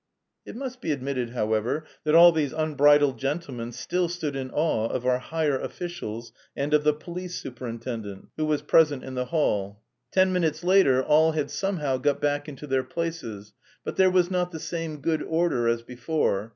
It must be admitted, however, that all these unbridled gentlemen still stood in awe of our higher officials and of the police superintendent, who was present in the hall. Ten minutes later all had somehow got back into their places, but there was not the same good order as before.